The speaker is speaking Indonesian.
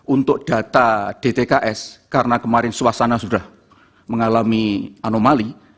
untuk data dtks karena kemarin suasana sudah mengalami anomali